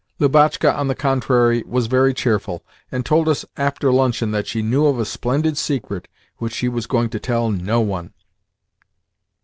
Lubotshka, on the contrary, was very cheerful, and told us after luncheon that she knew of a splendid secret which she was going to tell no one.